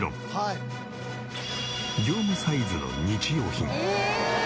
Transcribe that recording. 業務サイズの日用品。